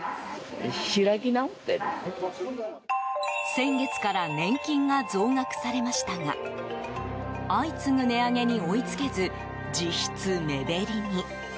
先月から年金が増額されましたが相次ぐ値上げに追いつけず実質、目減りに。